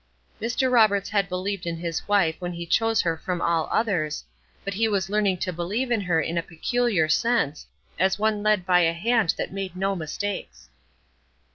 Mr. Roberts had believed in his wife when he chose her from all others; but he was learning to believe in her in a peculiar sense, as one led by a hand that made no mistakes.